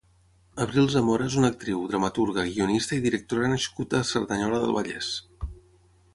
Abril Zamora és un actriu, dramaturga, guionista i directora nascut a Cerdanyola del Vallès.